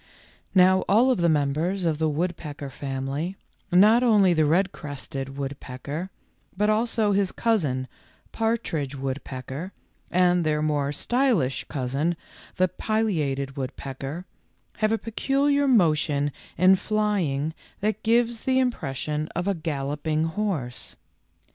Now all of the members of the woodpecker family, not only the red crested woodpecker, but also his cousin, partridge woodpecker, and their more stylish cousin, the pilliated wood pecker, have a peculiar motion in flying that gives the impression of a galloping horse.